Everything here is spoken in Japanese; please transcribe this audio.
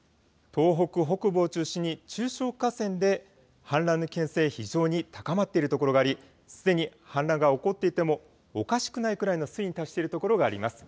東北北部を中心に中小河川で氾濫の危険性、非常に高まっているところがあり、すでに氾濫が起こっていてもおかしくないくらいの水位に達している所があります。